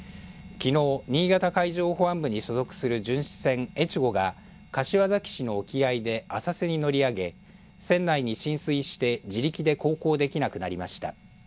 きのう新潟海上保安部に所属する巡視船、えちごが柏崎市の沖合で浅瀬に乗り上げ船内に浸水して自力で航行できなくなりました。